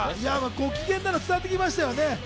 ご機嫌なのが伝わってきましたね。